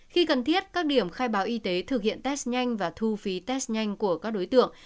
khi cần thiết các điểm khai báo y tế thực hiện test nhanh và thu phí test nhanh của các đối tượng